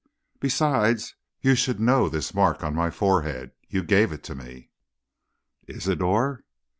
Besides, you should know this mark on my forehead. You gave it to me ' "'Isidor!'